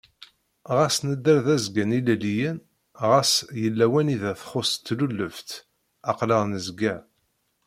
Ɣas nedder d azgen-ilelliyen, ɣas yella wanida txuṣ tlulebt, aql-aɣ nezga!